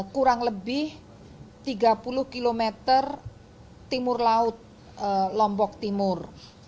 kurang lebih tiga puluh km timur laut lombok timur